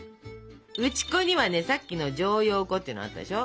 打ち粉にはさっきの薯蕷粉っていうのあったでしょ？